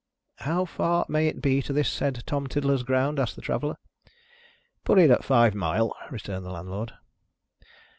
"How far may it be to this said Tom Tiddler's ground?" asked the Traveller. "Put it at five mile," returned the Landlord.